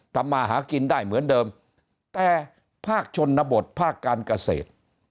ทำมาหากินได้เหมือนเดิมแต่ภาคชนบทภาคการเกษตร